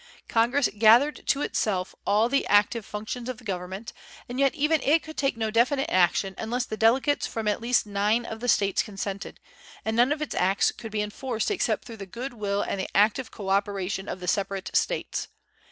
Congress gathered to itself all the active functions of government, and yet even it could take no definite action unless the delegates from at least nine of the States consented, and none of its acts could be enforced except through the good will and the active coöperation of the separate States.